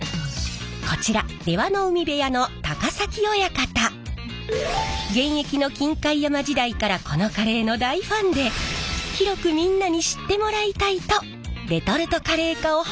こちら現役の金開山時代からこのカレーの大ファンで広くみんなに知ってもらいたいとレトルトカレー化を発案したんです。